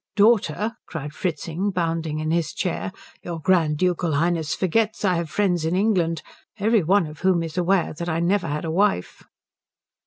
"Daughter?" cried Fritzing, bounding in his chair. "Your Grand Ducal Highness forgets I have friends in England, every one of whom is aware that I never had a wife."